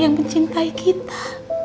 yang mencintai kita